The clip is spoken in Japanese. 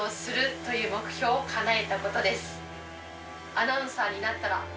アナウンサーになったら。